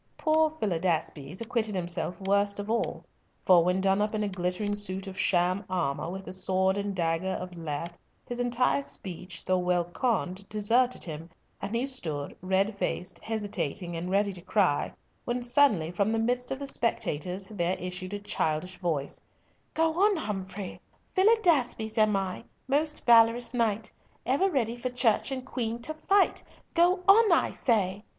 Poor Philidaspes acquitted himself worst of all, for when done up in a glittering suit of sham armour, with a sword and dagger of lath, his entire speech, though well conned, deserted him, and he stood red faced, hesitating, and ready to cry, when suddenly from the midst of the spectators there issued a childish voice, "Go on, Humfrey! "Philidaspes am I, most valorous knight, Ever ready for Church and Queen to fight. "Go on, I say!"